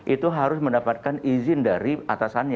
itu harus mendapatkan izin dari atasannya